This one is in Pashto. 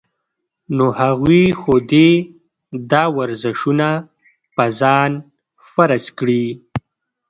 نو هغوي خو دې دا ورزشونه پۀ ځان فرض کړي -